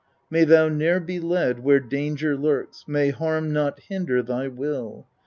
15. May thou ne'er be led, where danger lurks, may harm not hinder thy will !